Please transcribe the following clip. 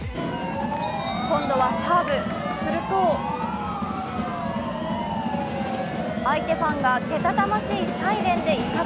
今度はサーブ、すると相手ファンがけたたましいサイレンで威嚇。